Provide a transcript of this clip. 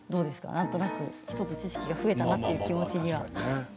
なんとなく１つ知識が増えたなっていう気持ちに。